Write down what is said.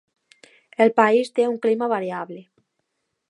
El país té un clima variable.